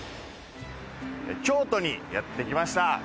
京都にやってきました。